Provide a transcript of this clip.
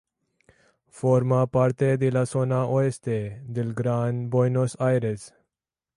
Forma parte de la zona oeste del Gran Buenos Aires.